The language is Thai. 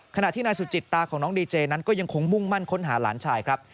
ขณะที่นายสุจิตตาของน้องดีเจนั้นก็ยังคงมุ่งมั่นค้นหาหลานชายครับ